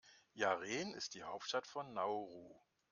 Yaren ist die Hauptstadt von Nauru.